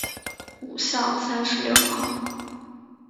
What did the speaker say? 五巷三十六号